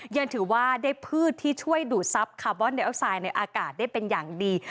ยังถือว่าได้พืชที่ช่วยดูดทรัพย์คาร์บอนเดลไซด์ในอากาศได้เป็นอย่างดี